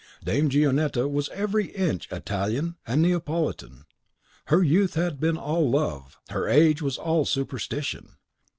Dame Gionetta was every inch Italian and Neapolitan. Her youth had been all love, and her age was all superstition.